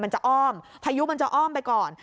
อ้อมพายุมันจะอ้อมไปก่อน